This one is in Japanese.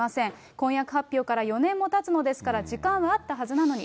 婚約発表から４年もたつのですから、時間はあったはずなのに。